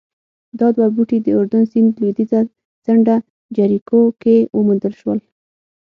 دا دوه بوټي د اردن سیند لوېدیځه څنډه جریکو کې وموندل شول